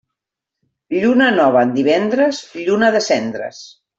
Lluna nova en divendres, lluna de cendres.